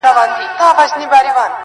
بس ور پاته دا یو نوم یو زوړ ټغر دی؛